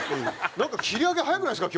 なんか切り上げ早くないですか？